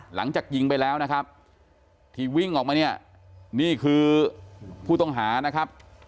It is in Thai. หลังจากยิงไปแล้วนะครับที่วิ่งออกมาเนี่ยนี่คือผู้ต้องหานะครับ